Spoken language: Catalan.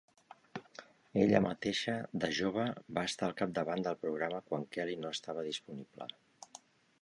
Ella mateixa, de jove, va estar al capdavant del programa quan Kelly no estava disponible.